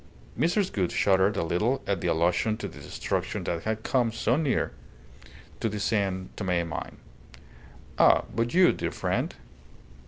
Mrs. Gould shuddered a little at the allusion to the destruction that had come so near to the San Tome mine. "Ah, but you, dear friend?"